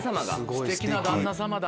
すてきな旦那様だ。